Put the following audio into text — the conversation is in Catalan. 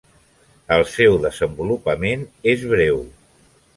El seu desenvolupament és breu.